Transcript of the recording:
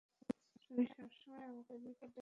তুমি সবসময় আমাকে বিপদে ফেলে এসেছ।